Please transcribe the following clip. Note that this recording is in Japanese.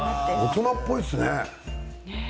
大人っぽいですね。